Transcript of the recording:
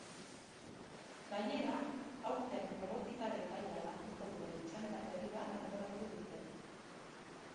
Gainera, aurten robotikaren gaia landuko duen txanda berri bat antolatu dute.